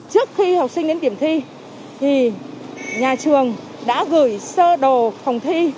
trước khi học sinh đến điểm thi thì nhà trường đã gửi sơ đồ phòng thi